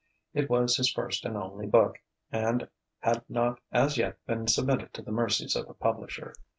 It was his first and only book, and had not as yet been submitted to the mercies of a publisher.